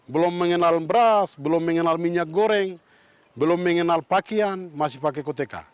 belum mengenal beras belum mengenal minyak goreng belum mengenal pakaian masih pakai koteka